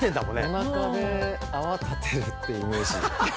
おなかで泡立てるってイメージ。